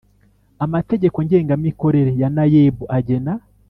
Amategeko ngengamikorere ya naeb agena